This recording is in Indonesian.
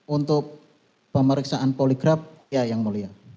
untuk pemeriksaan poligraf ya yang mulia